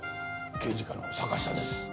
刑事課の坂下です。